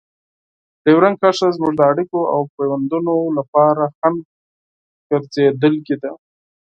ډیورنډ کرښه زموږ د اړیکو او پيوندونو لپاره خنډ ګرځېدلې.